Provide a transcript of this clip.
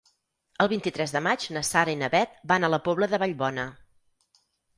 El vint-i-tres de maig na Sara i na Bet van a la Pobla de Vallbona.